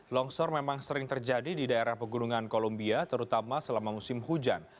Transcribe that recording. longsor memang sering terjadi di daerah pegunungan kolumbia terutama selama musim hujan